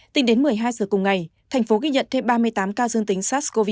tính đến một mươi hai giờ cùng ngày thành phố ghi nhận thêm ba mươi tám ca dương tính sars cov hai